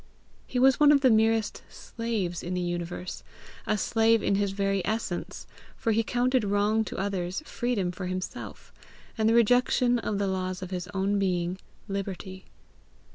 He was one of the merest slaves in the universe, a slave in his very essence, for he counted wrong to others freedom for himself, and the rejection of the laws of his own being, liberty.